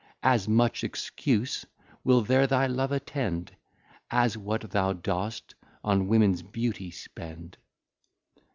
As much Excuse will there thy Love attend, As what thou dost on Womens Beauty spend.